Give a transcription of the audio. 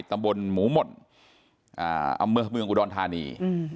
ตำบลหมูหม่นอำเภอเมืองอุดรธานี